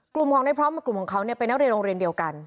กลุ่มของในพร้อมกับกลุ่มของเขาเป็นนักเรียนโรงเรียนเดียวกัน